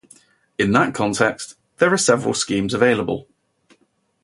In that context, there are several schemes available.